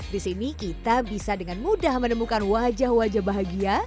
di sini kita bisa dengan mudah menemukan wajah wajah bahagia